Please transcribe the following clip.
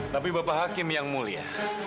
tapi bapak hakim yang mulia